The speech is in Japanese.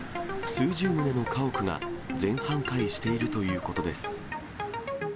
数十棟の家屋が全半壊しているということです。